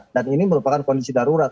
dan ini merupakan kondisi darurat